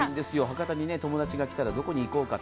博多に友達が来たらどこに行こうか。